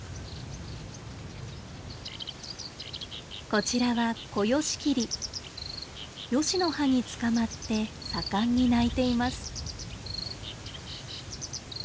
こちらはヨシの葉につかまって盛んに鳴いています。